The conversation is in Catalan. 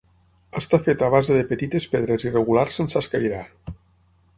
Està feta a base de petites pedres irregulars sense escairar.